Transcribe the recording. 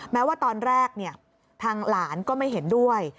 แม้ว่าตอนแรกทางหลานก็ไม่เห็นด้วย